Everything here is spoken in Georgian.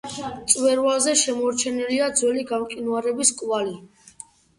მწვერვალზე შემორჩენილია ძველი გამყინვარების კვალი.